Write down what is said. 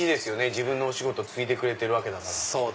自分の仕事継いでくれてるから。